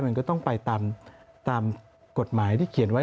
มันก็ต้องไปตามกฎหมายที่เขียนไว้